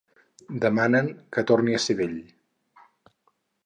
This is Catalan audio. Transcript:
Demanen que torni a ser vell.